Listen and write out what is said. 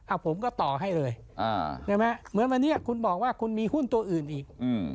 ผมก็ต่อให้เลยเหมือนวันนี้คุณบอกว่าคุณมีหุ้นตัวอื่นอีก